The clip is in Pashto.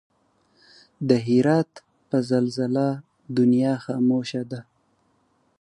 د هرات په زلزله دنيا خاموش ده